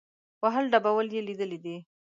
وهل ډبول یې لیدلي دي.